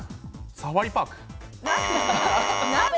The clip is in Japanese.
サファリパーク。